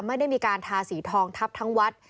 ไม่ได้มีการทาสีทองทับทั้งวัด